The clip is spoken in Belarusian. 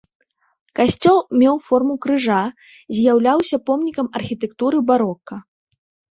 Касцёл меў форму крыжа, з'яўляўся помнікам архітэктуры барока.